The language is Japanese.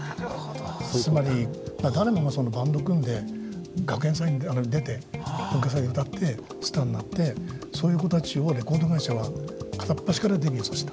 つまり誰もがバンド組んで学園祭に出て文化祭で歌ってスターになってそういう子たちをレコード会社は片っ端からデビューさせた。